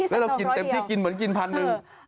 แล้วเรากินเต็มที่กินเหมือนกินพันหนึ่ง